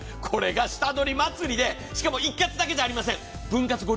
これが下取り祭りで、しかも一括だけじゃありません。